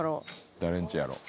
誰ん家やろう？